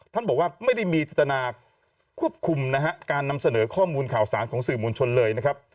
ท่านบอกว่าไม่ได้มีจิตนาควบคุมนะฮะการนำเสนอข้อมูลข่าวสารของสื่อมวลชนเลยนะครับ